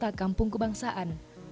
wisata kampung kebangsaan